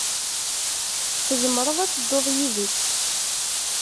Tzemreḍ ad tedduḍ yid-s.